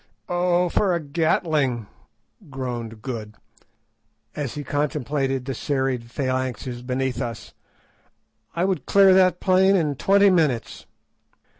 "Oh, for a gatling!" groaned Good, as he contemplated the serried phalanxes beneath us. "I would clear that plain in twenty minutes."